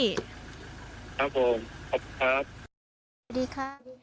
ครับผมขอบคุณค่ะ